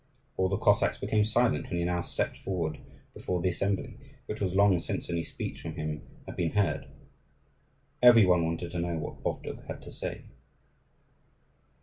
All the Cossacks became silent when he now stepped forward before the assembly, for it was long since any speech from him had been heard. Every one wanted to know what Bovdug had to say.